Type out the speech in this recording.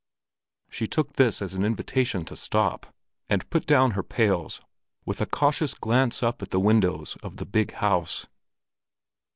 She took this as an invitation to stop, and put down her pails with a cautious glance up at the windows of the big house.